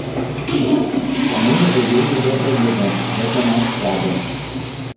Мы яго вельмі добра ведаем, гэта наш сябар.